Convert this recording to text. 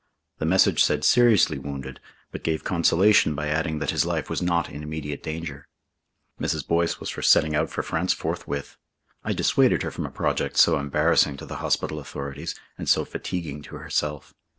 The message said seriously wounded, but gave consolation by adding that his life was not in immediate danger. Mrs. Boyce was for setting out for France forthwith. I dissuaded her from a project so embarrassing to the hospital authorities and so fatiguing to herself.